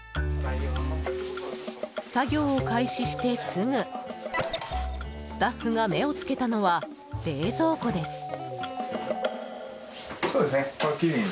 作業を開始してすぐスタッフが目をつけたのは冷蔵庫です。